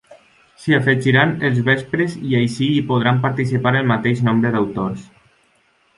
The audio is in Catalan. S'hi afegiran els vespres i així hi podran participar el mateix nombre d'autors.